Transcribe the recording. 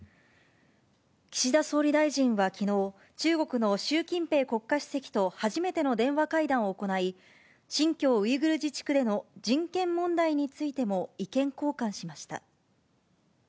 岸田総理大臣はきのう、中国の習近平国家主席と初めての電話会談を行い、新疆ウイグル自治区での人権問題についても意見交換しました。